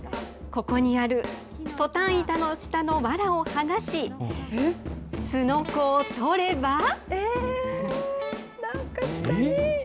ここにある、トタン板の下のわらを剥がし、すのこを取れば。